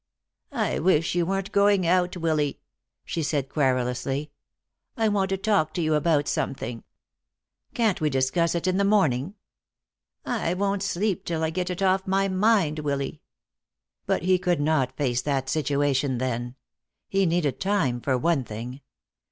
"I wish you weren't going out, Willy," she said querulously. "I want to talk to you about something." "Can't we discuss it in the morning?" "I won't sleep till I get it off my mind, Willy." But he could not face that situation then. He needed time, for one thing.